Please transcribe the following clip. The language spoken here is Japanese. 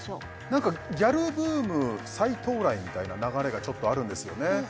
何かギャルブーム再到来みたいな流れがちょっとあるんですよね